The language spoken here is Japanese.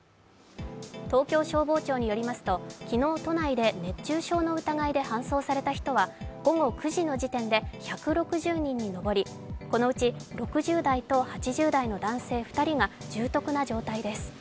東京消防庁によりますと昨日都内で熱中症の疑いで搬送された人は午後９時の時点で１６０人にのぼり、このうち６０代と８０代の男性２人が重篤な状態です。